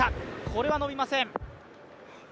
これは伸びません。